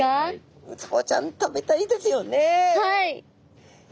ウツボちゃん食べたいですよね。